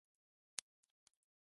大きな声で次の文章を読んでね